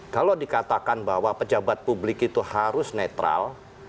kalau dikatakan bahwa pejabat publik itu harus netral